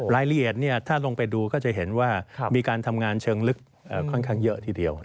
รายละเอียดถ้าลงไปดูก็จะเห็นว่ามีการทำงานเชิงลึกค่อนข้างเยอะทีเดียว